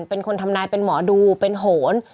เป็นคนทำนายเป็นหมอดูเป็นโหน